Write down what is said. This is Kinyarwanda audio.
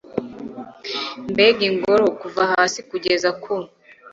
mbega ingoro, kuva hasi kugeza ku